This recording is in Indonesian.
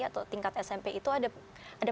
atau tingkat smp itu ada